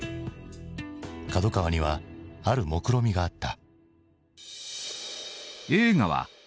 角川にはあるもくろみがあった。